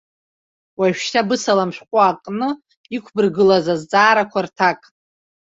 Уажәшьҭа бысалам шәҟәы аҟны иқәбыргылаз азҵаарақәа рҭак.